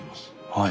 はい。